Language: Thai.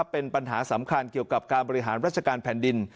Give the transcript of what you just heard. เป็นปัญหาสำคัญเกี่ยวกับการบริหารราชการแผ่นดิน